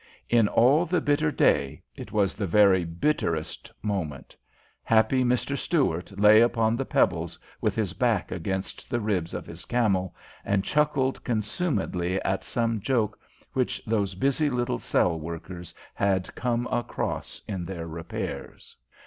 Of all the bitter day, it was the very bitterest moment. Happy Mr. Stuart lay upon the pebbles with his back against the ribs of his camel, and chuckled consumedly at some joke which those busy little cell workers had come across in their repairs.